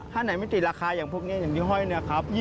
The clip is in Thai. ถ้าไหนไม่ติดราคาอย่างพวกนี้อย่างพี่ห้อยเนี่ยครับ